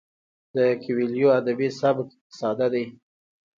د کویلیو ادبي سبک ساده دی.